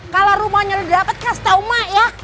kalau rumahnya udah dapet kasih tau ma ya